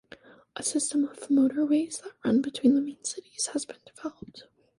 A system of motorways that run between the main cities has been developed.